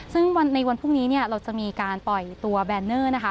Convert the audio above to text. ซึ่งในวันพรุ่งนี้เนี่ยเราจะมีการปล่อยตัวแบนเนอร์นะคะ